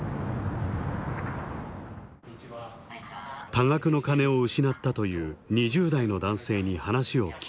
多額の金を失ったという２０代の男性に話を聞いた。